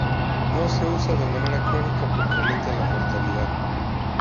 No se usa de manera crónica porque aumenta la mortalidad.